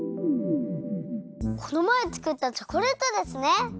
このまえつくったチョコレートですね！